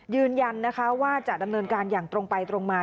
ยืนยันนะคะว่าจะดำเนินการอย่างตรงไปตรงมา